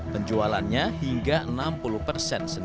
penjualannya hingga enam puluh persen